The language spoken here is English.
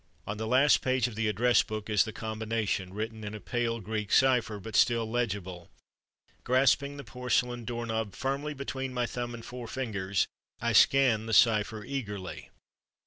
On the last page of the Address Book is the Combination, written in a pale Greek cipher, but still legible, grasping the porcelain door knob firmly between my thumb and four fingers I scan the cipher eagerly.